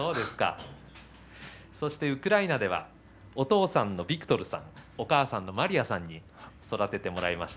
ウクライナではお父さんのビクトルさんお母さんのマリアさんに育てていきました。